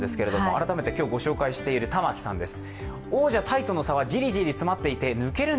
改めて今日ご紹介している玉置さんです。